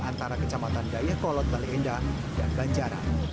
antara kecamatan dayakolot baleendah dan banjaran